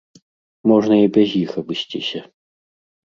Можна і без іх абысціся.